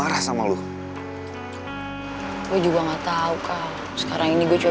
cara di keluar enggak meluncurkan ingin nyerti pak